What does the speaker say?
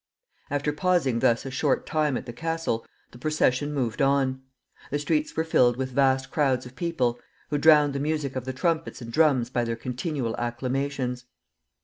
After pausing thus a short time at the castle, the procession moved on. The streets were filled with vast crowds of people, who drowned the music of the trumpets and drums by their continual acclamations.